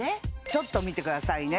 ちょっと見てくださいね